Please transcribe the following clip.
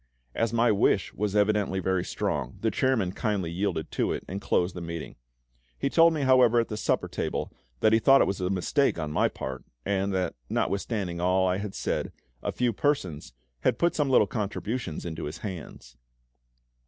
As my wish was evidently very strong, the chairman kindly yielded to it, and closed the meeting. He told me, however, at the supper table, that he thought it was a mistake on my part, and that, notwithstanding all I had said, a few persons had put some little contributions into his hands.